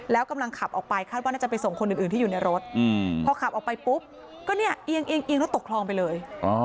แล้วกำลังขับออกไปคาดว่าน่าจะไปส่งคนอื่นที่อยู่ในรถพอขับออกไปปุ๊บก็เนี่ยเอียงแล้วตกคลองไปเลย